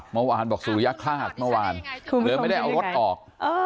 เมื่อวานบอกสุริยคลาสเมื่อวานเลยไม่ได้เอารถออก